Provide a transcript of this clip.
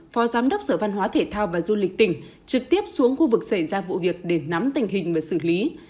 phó giám đốc sở văn hóa thể thao và du lịch tỉnh trực tiếp xuống khu vực xảy ra vụ việc để nắm tình hình và xử lý